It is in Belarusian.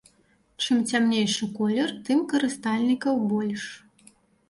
Чым цямнейшы колер, тым карыстальнікаў больш.